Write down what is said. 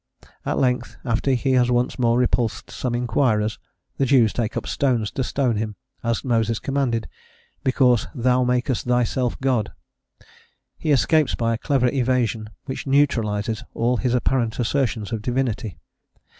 At length, after he has once more repulsed some inquirers, the Jews take up stones to stone him, as Moses commanded, because "thou makest thyself God." He escapes by a clever evasion, which neutralises all his apparent assertions of Divinity.